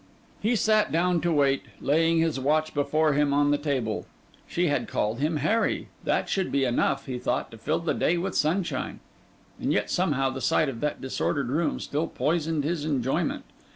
He sat down to wait, laying his watch before him on the table. She had called him Harry: that should be enough, he thought, to fill the day with sunshine; and yet somehow the sight of that disordered room still poisoned his enjoyment.